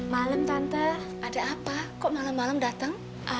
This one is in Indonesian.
malem tante ada apa kok malem malem dateng